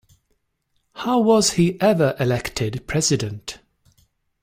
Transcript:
How was he ever elected President?